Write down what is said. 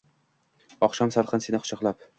Oqshom salqin, seni quchoqlab